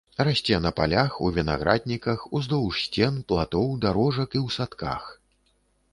Расце на палях, у вінаградніках, уздоўж сцен, платоў, дарожак і ў садках.